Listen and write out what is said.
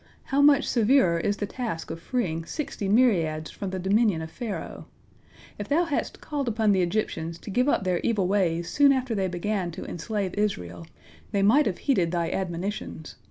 How much severer is the task of freeing sixty myriads from the dominion of Pharaoh! If Thou hadst called upon the Egyptians to give up their evil ways soon after they began to enslave Israel, they might have heeded Thy admonitions.